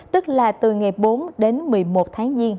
tức là từ ngày bốn đến một mươi một tháng giêng